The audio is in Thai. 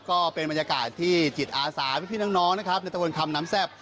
ก็เป็นบรรยากาศที่จิตอาสาพี่น้องนะครับในตะบนคำน้ำแซ่บ